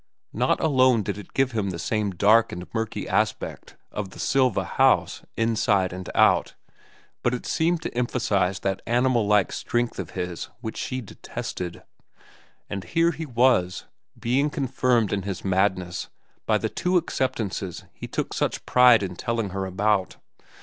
Not alone did it give him the same dark and murky aspect of the Silva house, inside and out, but it seemed to emphasize that animal like strength of his which she detested. And here he was, being confirmed in his madness by the two acceptances he took such pride in telling her about.